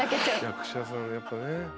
役者さんやっぱね。